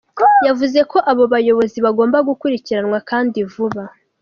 Yavuze ko abo bayobozi bagomba gukurikiranwa kandi vuba.